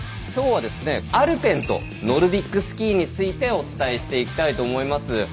今日はアルペンとノルディックスキーについてお伝えしていきたいと思います。